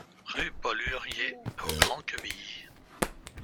Rue Paul Hurier au Grand-Quevilly